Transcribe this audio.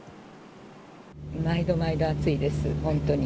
毎度毎度、暑いです、本当に。